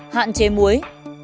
hạn chế muối